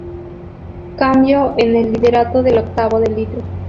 Cambio en el liderato del octavo de litro.